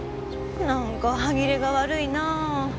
なんか歯切れが悪いな。